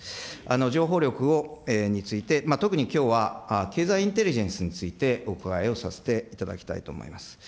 情報力について、特にきょうは経済インテリジェンスについてお伺いをさせていただきたいと思います。